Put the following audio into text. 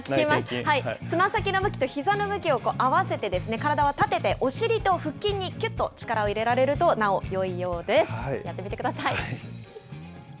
つま先の向きとひざの向きを合わせて体は立ててお尻と腹筋にきゅっと力を入れられると、なおよいようです。